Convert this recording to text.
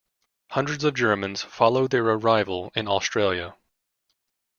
Hundreds of Germans followed their arrival in Australia.